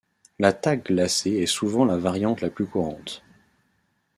La tague glacée est souvent la variante la plus courante.